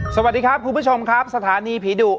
สวัสดีครับคุณผู้ชมครับสถานีผีดุ